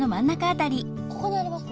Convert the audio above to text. ここにあります